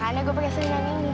makanya gue pake senang ini